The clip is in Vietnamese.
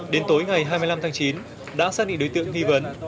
đến tối ngày hai mươi năm tháng chín đã xác định đối tượng nghi vấn